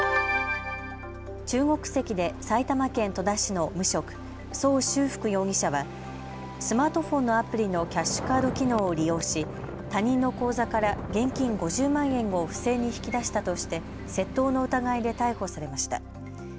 中国籍で埼玉県戸田市の無職、曹宗福容疑者はスマートフォンのアプリのキャッシュカード機能を利用し他人の口座から現金５０万円を不正に引き出したとして窃盗の疑いで逮捕されました。